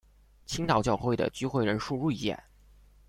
青岛教会的聚会人数锐减。